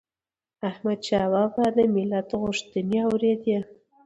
احمدشاه بابا به د ملت غوښتنې اوريدي